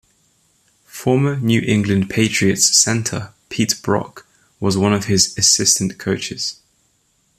Former New England Patriots Center Pete Brock was one of his Assistant Coaches.